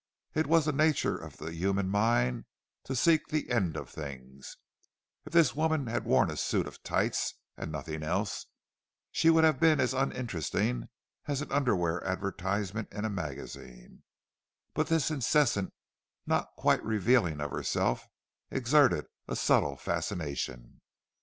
It is the nature of the human mind to seek the end of things; if this woman had worn a suit of tights and nothing else, she would have been as uninteresting as an underwear advertisement in a magazine; but this incessant not quite revealing of herself exerted a subtle fascination.